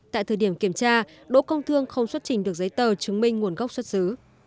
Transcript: tại thời điểm kiểm tra đỗ công thương không xuất trình được giấy tờ chứng minh nguồn gốc xuất xứ